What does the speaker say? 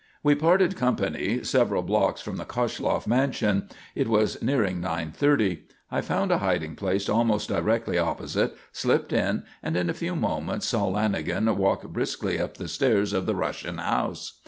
We parted company several blocks from the Koshloff mansion. It was nearing nine thirty. I found a hiding place almost directly opposite, slipped in, and in a few moments saw Lanagan walk briskly up the stairs of the Russian's house.